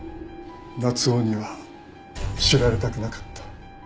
夏夫には知られたくなかった。